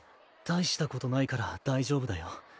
大したことないから大丈夫だよ。